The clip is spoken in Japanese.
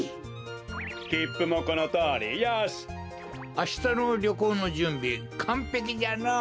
あしたのりょこうのじゅんびかんぺきじゃのう。